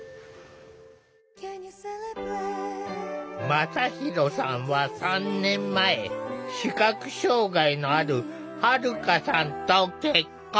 真大さんは３年前視覚障害のあるはるかさんと結婚。